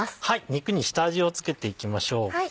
肉に下味を付けていきましょう。